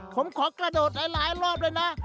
ผมขอกระโดดหลายรอบเลยนะ